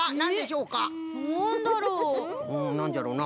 うんなんじゃろうなあ？